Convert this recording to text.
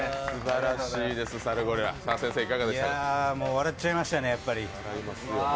笑っちゃいましたね、ホントに。